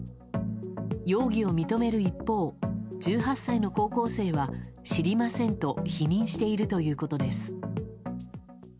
容疑を認める一方１８歳の高校生は知りませんと否認しているということです。